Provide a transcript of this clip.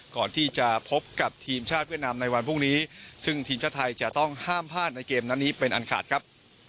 ก่อนที่จะพบกับทีมชาติเวียดนามในวันพรุ่งนี้ซึ่งทีมชาติไทยจะต้องห้ามพลาดในเกมนั้นนี้เป็นอันขาดครับ